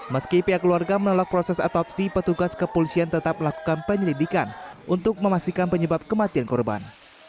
meski pihak keluarga menolak proses otopsi petugas kepolisian tetap melakukan penyelidikan untuk memastikan penyebab kematian korban